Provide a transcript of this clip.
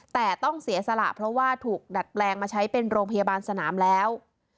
แต่ต้องเสียสละเพราะว่าถูกดัดแปลงมาใช้เป็นโรงพยาบาลสนามแล้ว